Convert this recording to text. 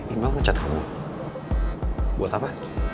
email ngechat kamu buat apa